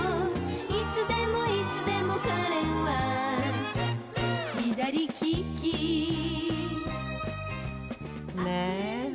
「いつでもいつでも彼は左きき」ねえ